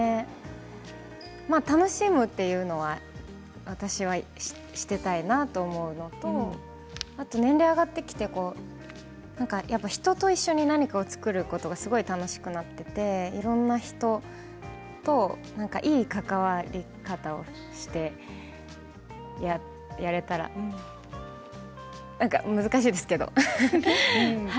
楽しむというのは私はしていたいなと思うのと年齢が上がってきて人と一緒に何かを作ることがすごく楽しくなってきていろんな人といい関わり方をしてやれたら難しいですけど。